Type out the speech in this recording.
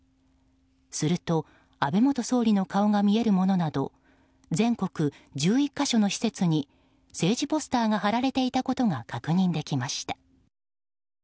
すると安倍元総理の顔が見えるものなど全国１１か所の施設に政治ポスターが貼られていたことが確認できました。